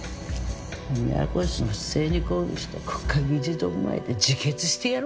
宮越の不正に抗議して国会議事堂前で自決してやろうかと思った。